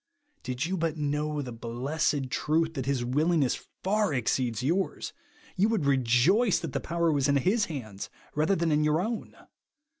Did you but know the blessed truth, that his willingness far exceeds yours, you v/ould rejoice that the power was in his hands rather than in your own.